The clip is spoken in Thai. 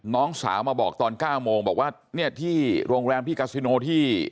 น้องสาวมาบอกตอน๙โมงบอกว่าเนี่ยที่โรงแรมที่กาซิโนที่